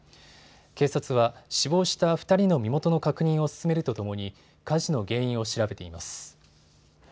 警察は死亡した２人の身元の確認を進めるとともに火事の原因を調べています。